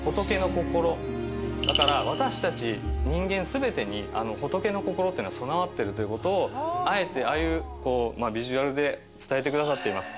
だから私たち人間全てに仏の心ってのは備わってるということをあえてああいうビジュアルで伝えてくださっています。